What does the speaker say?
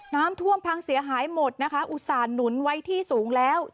น้ำท่วมพังเสียหายหมดนะคะอุตส่าห์หนุนไว้ที่สูงแล้ว